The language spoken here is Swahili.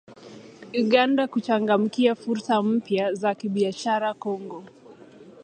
Uganda kuchangamkia fursa mpya za kibiashara Kongo